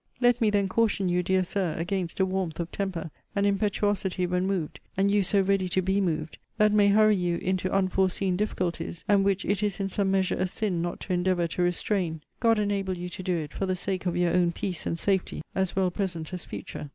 Let me then caution you, dear Sir, against a warmth of temper, an impetuosity when moved, and you so ready to be moved, that may hurry you into unforeseen difficulties; and which it is in some measure a sin not to endeavour to restrain. God enable you to do it for the sake of your own peace and safety, as well present as future!